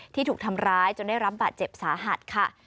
ถูกทำร้ายจนได้รับบาดเจ็บสาหัสค่ะ